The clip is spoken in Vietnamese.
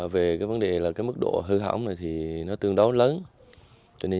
về mức độ hư hỏng này thì nó tương đối lớn